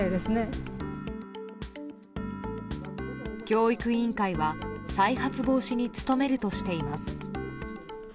教育委員会は再発防止に努めるとしています。